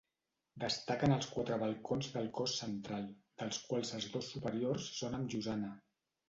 Destaquen els quatre balcons del cos central, dels quals els dos superiors són amb llosana.